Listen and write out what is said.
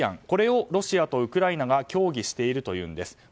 これをロシアとウクライナが協議しているというんです。